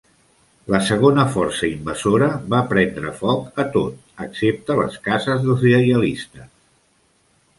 La segona força invasora va prendre foc a tot, excepte les cases dels lleialistes.